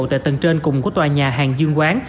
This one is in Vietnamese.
tại tầng trên cùng của tòa nhà hàng dương quán